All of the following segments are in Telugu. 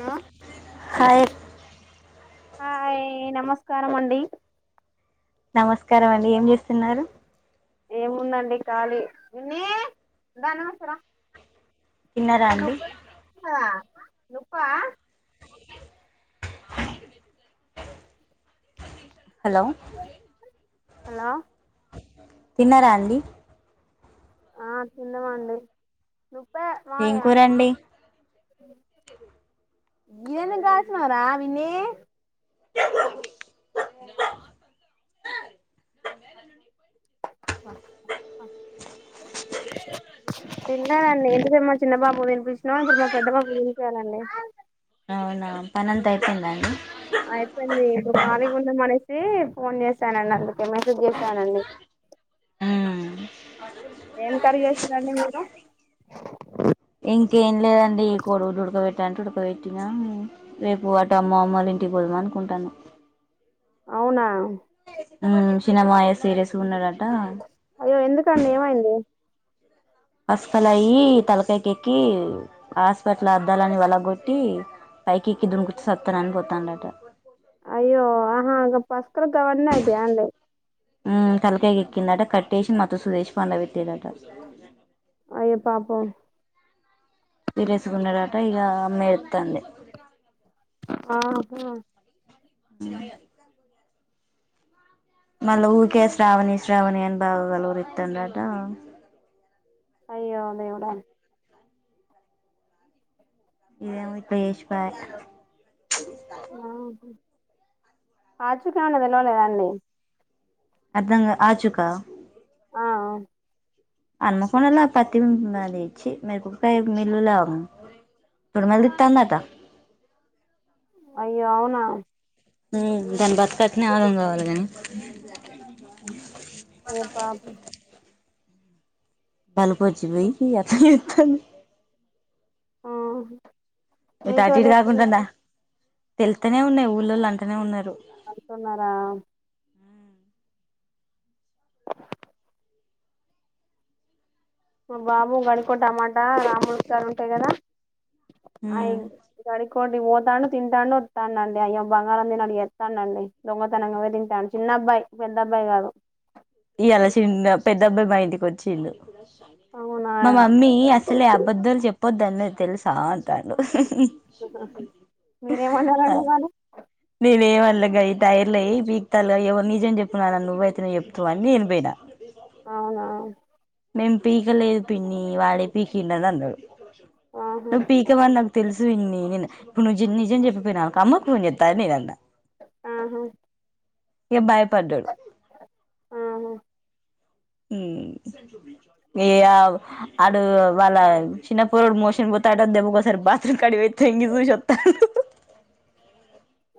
హలో హయ్ హాయ్ నమస్కారం అండి. నమస్కారం అండి ఏం చేస్తున్నారు? ఏముందండి ఖాళీ పిన్ని దా అన్నవేసారా తిన్నారా అక్క అండి నక నుప్ప హలో హలో తిన్నారా అండి ఆ తిన్నమండి నువ ఏం కూరండి ఇదన్న కాచినావుర విన్నీ [unintelligible] [unintelligible] తింటానండి ఇంతసేపు మా చిన్న బాబు తినిపించినా ఇప్పుడు మా పెద్ద బాబు తినిపియాలండి అవునా పనంత అయిపోయిందండి అయిపోయింది కాలీగుం అనేసి ఫోన్ చేశానండి అందుకే మెసేజ్ చేశానండి ఉమ్ ఏం కర్రి చేసిరండి మీరు ఇంకేం లేదండి కొడుగుడ్లు ఉడుకబె అంటే ఉడకబెట్టినా రేపు అటు అమ్మ అమ్మలు ఇంటికి పోదామనుకుంటాన అవునా ఊ సినమాయ సీరీరస్ ఉన్నద అయ్యో ఎందుకండి ఏమైంది హసుకల్ అయ్యి తలకాయికి ఎక్కి హాస్పిటల్ అద్దాలని వలగొట్టి పైకి ఎక్కి దునికచ్చి సస్తానని పోతాండట అయ్యో అహా గ పస్ అక్కడ గవన్నీ అయితయా అండి ఉమ్ తలకాయకి ఎక్కిందట కట్టేసి మత్తు సూదేషి పండ పెట్టిరట అయ్యో పాపం పిరేసుకున్నాడట ఇక అమ్మే చెపుతుంది ఆహా [unintelligible] మళ్ళ ఊకే శ్రావణి శ్రావణి అన్ బాగా కలవరిత్తందట అయ్యో దేవుడా ఇదేమో ఇట్ల చేసి పాయ్ ఆ ఆచుక ఎవన్న తెలవలేదండి అర్ధం గా ఆచుకా ఆ ఆ అనుమకుండలో పత్తి ఉన్నది ఇచ్చి మిరపకాయ మిల్లుల పొడుమలు తిత్తాందట అయ్యో అవునా దాని బతుకట్నే ఆగం కావాలి కాని ఏ పాపు బలుపోచి పోయి అట్లా చేస్తుంది ఆ మీ మీకు తటి ఎవరు ఇటు కాకుండా ఉన్న చెప్పినట్టు తేళ్తనే ఉన్నాయి ఊళ్ళోళు అంటనే ఉన్నారు అంటున్నారా బాబు గడికో టమాటా రాముల్కయలు ఉంటాయి కదా అయి గడికోటి పోతండు తింటాను వస్తానుండి అయ్య బంగారంందిేని అనీ ఇస్తాండండీ దొంగతనంగా తింటాను చిన్న అబ్బాయి పెద్ద అబ్బాయి కాదు ఇయ్యాల చిన్న పెద్ద అబ్బాయి మా ఇంటికి వచ్చిళ్ళు అవునా మా మమ్మీ అసలు ఆ బద్ద్దల్ చెప్ప పొద్దున్న మీది తెలుసా అంటాండు మీరేమన్నారండి మరి నేనే మ లగాయి టాయి ల పీక్తాగా ఎవరు నిజం చెప్పినాన నువ్వు అయితే్నే చెప్తావ్ అని నేను బోయిన అవునా మేం పీకలేదు పిన్ని వాడే పీకిండు ఆది అన్నాడు ఆహా నువ్ పీకవని నాకు తెల్సు సన్ని నేను ఇప్పుడు నిజం చెప్పిపోయిన వణుకో అమ్మ కి ఫోన్ చేస్తా అని నేను అన్న ఆహా ఇగా భయపడ్డడు ఆను ఉం ఏ ఆ అడు వాళ్ళ చిన్న పూరుడు మోషన్ పోత ఆడ దెబ్బకోసారి బాత్రుం కడి వొయి తొంగి చూశి ఒత్తాండు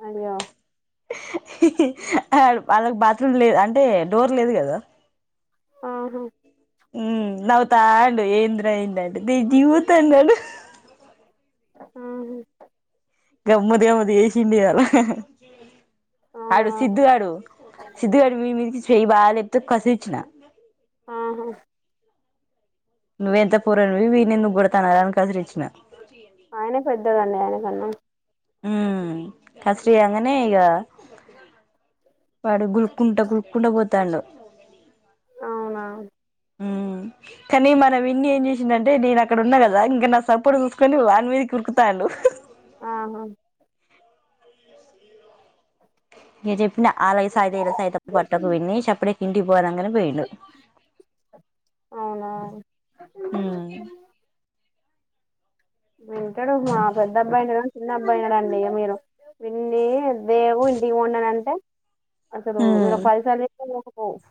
అయ్యో ఇహిహిహి అ వాళ్ళకు బాత్రూమ్ లేదు అంటే డోర్ లేదు కదా ఆహ ఉం నవ్వుతాఉండు ఏందిర ఏందంటే దె దివు త అన్నాడు ఆ చింది వాల అహహహహ ఆడు సిద్ధుగాడు సిద్ధగాడు మీకి చేయి బాగా లేప్తే కసిరీచ్చిన ఆహా నువ్వెంత పూరన్వి వున్నందు కొడతానవ్ రాని కసిరిచ్చిన ఆయన పెద్దదండి ఆయన కన్నా ఉం కసరియంగానే ఇక వాడు గులుక్కుంటా గులుక్కుంట పోతాండు అవునా ఇం కానీ మన విన్ని ఏం చేసిందంటే నేను అక్కడ ఉన్నా కదా ఇంకా నా సపోర్ట్ చూసుకొని వాని మీద కురుకుతాండు ఆహా ఇక చెప్పినా ఆలా సయిత సత పట్టకు వెన్నీ చెప్పుడేక ఇంటికి పోనంగనే పోయిండు అవునా ఇం వింటాడు మా పెద్ద అబ్బాయి వినడు గాని చిన్న అబ్బాయినడండి [unintelligible] [unintelligible] వీడ్ని [inaudible] అసలు మీరు హ్మ్ పైసలు [inaudible] ఓఫ్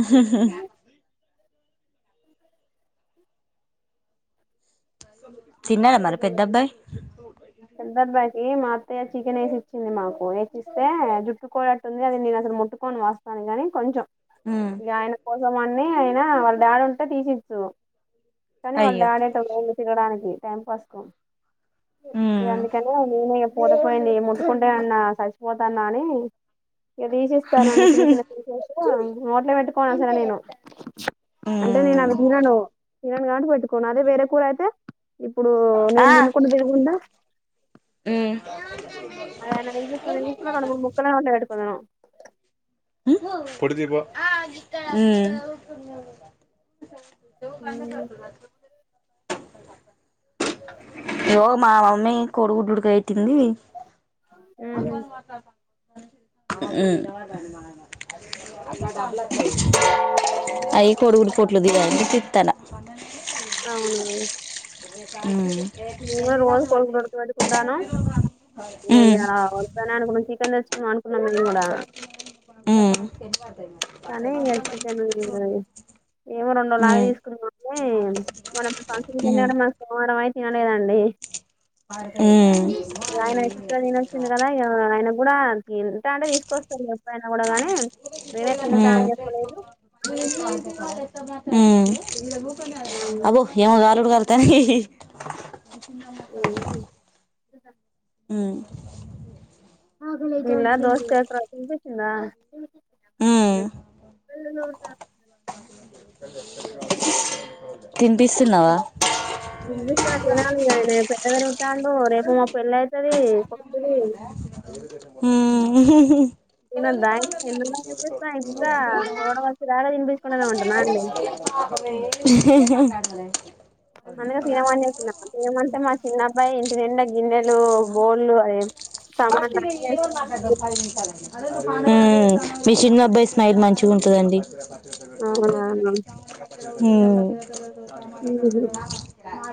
మ్హ మ్హ్ తిన్నారా మరి పెద్దబ్బాయి ఇ పెద్దబ్బాయికి మా అత్తయ్య చికెన్ ఏసిచ్చింది మాకు వేసిస్తే జుట్టుకోడట్టుంది అది నేను అసలు ముట్టుకొని వాసన గాని కొంచెం హ్మ్ గ ఆయన కోసం అని నీ అయినా వాళ్ళ డాడుంటే తీసిచ్చును కానీ వాళ్ళు అయ్యో డాడేటో పోయిండు తిరగడానికి టైం పాస్ కు ఇగ హ్మ్ అందుకనే నేనే పతే పోయింది ముట్టుకుంటే ఏమన్నా సచిపోతాన్నా అని ఇగ దీసిస్తానని చిన్న చిన్న పీసెస్ నోట్లే పెట్టుకోను అసలు నేను అంటే నేను హ్మ్ అవి తినను తినను గాటి పెట్టుకోను అదే వేరే కూర అయితే ఇప్పుడు నేను తినుకుంటా తినుకుంటా ఉమ్మ్ ఆయన [unintelligible] రెండు మూడు ముక్కలే [inaudible] [inaudible] ఉమ్మ్ ఉమ్మ్ యో మా మమ్మీ కోడిగుడ్లు ఉడకబెట్టింది ఉమ్మ్ అవి కోడిగుడ్లు పొటు తీయ్యాలి [inaudible] తీత్తానా అవును ఉమ్మ్మ్ రోజు కొడుకు ఉడక పెట్టుకుంటాను ఇగ ఊ ఇయ్యాల వద్దనే అనుకున్నాం చికెన్ తెచ్చుకుందాం అనుకున్నాం మేము కూడా ఉమ్మ్ కానీ ఇగ చికెన్ [inaudible] ఏమో రెండ్రోజుల ఆగి హ్మ్ తీసుకుందామని [inaudible] [inaudible] తినలేద లే హ్మ్ ఆయన చికెన్ తినొచ్చిండు కదా [inaudible] కూడా ఎంత అంటే తీసుకొస్తాంది ఎప్పుడైనా కూడా గాని నేన హ్మ్ ఉమ్ ఉమ్, అబో ఏమ గాలుడు కా [unintelligible] ఉమ్. హ్మ్ నిన్న దోసకాయ పచ్చడి తినిపించిందా హ్మ్ వె [unintelligible] తినిపిస్తున్నావా తినిపిస్తున్న తినాలి ఇంగ నేన నేను పెద్దగరుగుతాడు రేపు మా పెళ్లయితది కొతుది హ్మ్ తినొద్ద [unintelligible] అ [unintelligible] అందుకే సినిమా ఆన్ చేస్తున్న సినిమా ఏమంటే మా చిన్నబ్బాయి ఇంటి నిండా గిన్నెలు బోల్ అ సామాన [unintelligible] మిషన్ అబ్బాయి స్మైల్ మంచిగా ఉంటుదండి ఆ హ్మ్ ఆ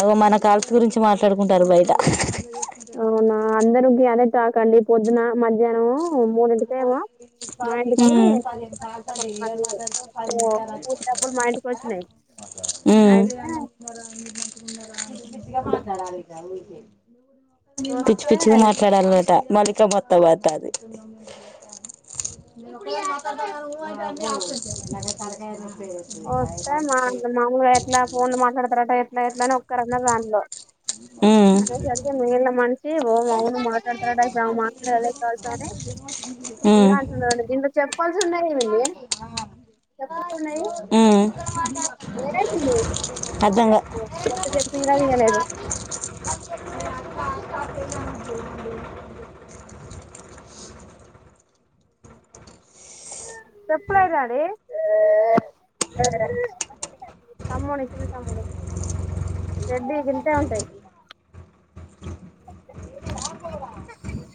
అగో మన కాాలత గురించి మాట్లాడుకుంటారు బయట ఈ అవునా అందరుగ అద త కడి పొద్దనా మా ఇంటికి వచ్చారంట కొంతమంది మూడు హ్మ్ డబ్బులు మా ఇంటికి వచ్చినాయి అయితే హ్మ్ ఇ పిచ్చి వస్తే పిచ్చిగా మాట్లాడాలన్నట మల్కా మొత్తావాద్ కా [unintelligible] అస్తే మా మానగా ఎట్లా ఫోన్ మాట్లాడతార అట ఎట్లా ఎట్లా న క్కరన్న దాంట్లో ఉమ్ అనేసరికి మీళ మంచి ఓ అవును మాట్లాడతారడా అడు మాట్లాడలే కాలుస అని ఇ ఉమ్ అ ఇంత చెప్పాల్సి ఉన్నాయి ఏమడి చెప్పల్సి ఉన్నాయి ఉమ్ ఏడ కొత్త తీయాలదు ఆ [unintelligible] చెప్పులే డాడీ ఆ తమ్మునివి చిన్న తమ్ముని రెడ్డడి కింతే ఉంటాయి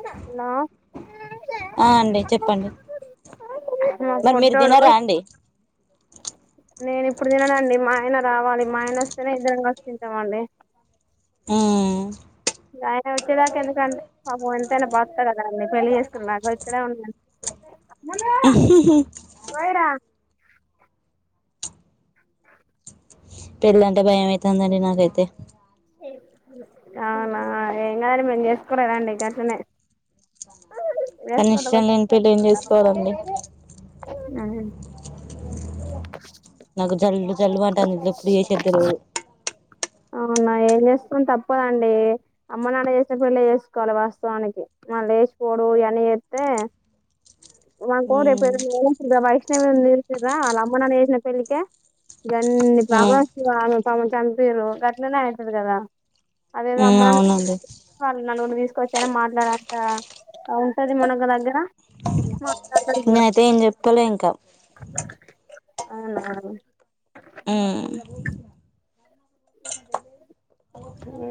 హలా ఆ అండి చెప్పండి మా మరి మీరు తిన పొట్టోడు రండి నేను ఇప్పుడు తిననండి మా ఆయన రావాలి మా ఆయన వస్తేనే ఇద్దరం కలిసి తింటామండి హ్మ్మ్ ఆయన వచ్చేదాకా ఎందుకంటే పాపం ఎంతైనా భర్త ాీ పెళ్లి చేసుకున్నా నాకు ఇక్కడే ఉన్నా ఆాా సా పెళ్ళంటే భయంమయితుందండి నాకైతే అవునా ఏం కాదండి మేము చేసుకోలేదండి గట్లనే కానీ వేసుకో ఇష్టం కొంచెం లేని పెళ్ళి ఏం చేసుకోవాలండి నాకు జల్ జల్లు అంటను ఇలో ఎప్పుడు చేసేది తెలవదు అవునా ఏం చేస్తం తప్పదండి అమ్మ నాన్న చేసిన పిల్ళ చేసుకోవాలి వాస్తవానికి మన లేచిపోడు అవని చేస్తే వాంగ రే ఉమ్ పరు ఇ వైష్ణవి తీలిసిరా వాళ్ళ అమ్మనాని వేసిన పెళ్ళలికిే ఇన్నన్ని ఉమ్ ప్రభస్త వాు చంపిరు గట్నేనే అవుతుంది కదా అదేదో ఉమ్ అమ్మనళ తీసు అవునండి ొచ్చార మాట్లాడక ఉంటది మనకు దగ్గర మ నేనయితే ఏం చెప్తాలో ఇంకా అవునావును హ్మ్మ్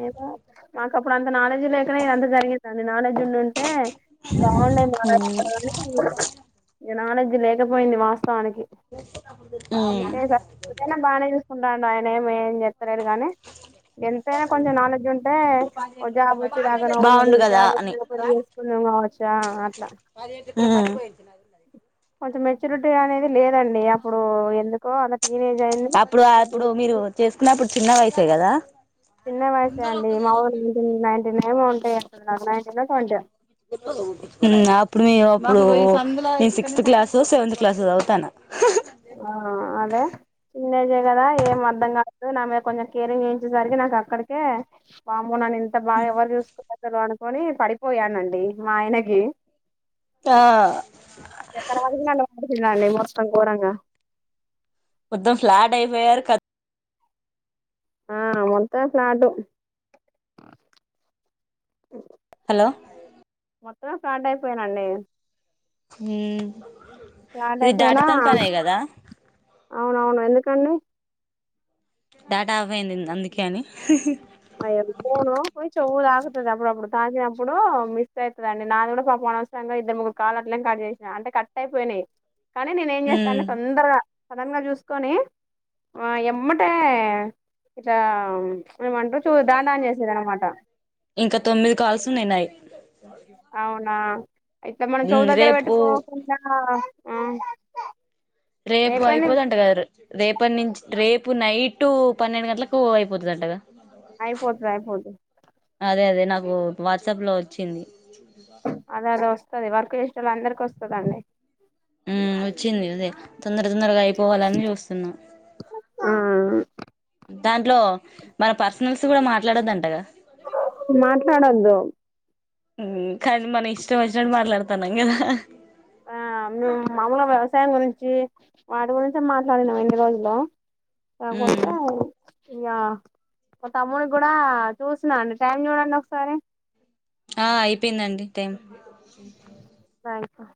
ఏదో మాకు అప్పుడు అంత నాలెడ్జ్ లేకుడా ఇ అంత జరిగిందండి నాలెడ్జ్ ఉండింటే బాగుండంది హ్మ్మ్ నాలెడ్జ్ లేకపోయింది వాస్తవానికి ఆ బాగానేసుకుంటాండు ఆయన ఏమి ఏం చెస్తలేదు కాగానీ ఎంత కొంచెం నాలెడ్జ్ ఉంటే జాబ్ గడా ఉండంది బాగుండు కదా కావచ్చు పెళ్లి చేసుకున్నాం కావచ్చు హ కొంచెం మెచ్యూరిటీ అనేది లేదండి అప్పుడు ఎందు అప్పుడు అప్పుడు మీరు చేసుకున్నప్పుడ్ చిన్న వయసుగదా చిన్న వయసే అండి మా నైన్టీన్ నైన్టీన్ ఏమే ఉన్ [unintelligible] నాయింటిన్ కౌంట్ మ్ అప్ ఇప్పుడు మీ అప్పుడు నేను సిక్స్త్ క్లాస్ సెవెంత్ క్లాస్ ఓ చదువుతాన ఆ అదే చిన్నజే కదా ఏం అర్ధం కాాలదు నా మీద కొంచెం కేరింగ్ చేయించేసరికి నాకు అక్కడికే వమ్మో నన్ ంత బాగా ఎవరు చూసుకు [unintelligible] కొని పడిపోయానండి మా ఆయనకి ఆ ఇగ తరువాతికి నన్ను వాడు కూడండి మొత్తం గోరంగా మొత్తం ఫ్లాట్ అయిపోయాారు క ఆ మొత్తమే ఫ్లాటు హలో మొత్తమే ఫ్లాట్ అయిపోయనండి హుమ్ ఫ్లాట్ ఇది అయిపోయినా డాటతనీ పనే కదా తను డాటా ఆఫ్ ఆయింది అందుకే అని అయ్యో మీ ఫోన్ కొంచెం ఊరు ఆకుతది అప్పుడప్పుడు తాకినప్పుడు మిస్ అవుతుందిండి నాది కూడా పాపం అనవసరంగా ఇద్దరు ముగురు కాలు అట్లేనే కట్ చేసిన అంటే కట్ అయిపోయినాయి కానీ నేనే ఏం చేస్తా ఉమ్ అండి తొందరగా సదన్ గా చూసుకొని ఆ ఎమ్మటే ఇట్ల మేమంటార్ ఇంకా తొమ్మిది కాల్స్ ఉన్నాయి నాయి అవునా ఇట్లా మనం చవు ఉమ్ దగ్గర రేపు పెట్టుకోకుండా ఆ రేపు అయిపోయింది అయిపోదంట కదా ర్ రేపటి నుంచి రేపు నైట్ పన్నెండు గంటలకు అయిపోతదంటగా అయిపోతది అయిపోద్ పు వాట్సాప్లో వచ్చింది అదదే వస్ స్తది వర్క్ చేసేటోళ్ళందరికి వస్తదండి ఉమ్ వచ్చింది అదే తొందర తొందరగా అయిపోవాలని చూస్తున్నా ఆ దాంట్లో మన పర్సనల్స్ కూడా మాట్లాడొద్దంటగా మాట్లాడద్దు ఉమ్ కానీ మన ఇష్టం వచ్చినట్ మాట్లాడత తనంగద ఆ మేము మామూలు వ్యవసాయం గురించి వాటి గురించే మాట్లాడినాం ఇన్ని రోజులు ఉమ్ కాకపోతే ఇయ్యా మ తమ్ముని కూడా చూసినండి టైం చూడండి ఒకసారి ఆ అయిపోయిందండి టైం రయిత